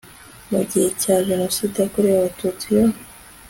mu gihe cya genoside yakorewe abatutsi yo